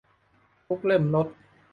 ทุกเล่มลด